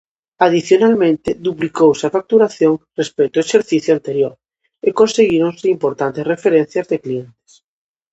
Adicionalmente, duplicouse a facturación respecto ao exercicio anterior e conseguíronse importantes referencias de clientes.